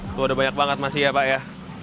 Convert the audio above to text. itu udah banyak banget masih ya pak ya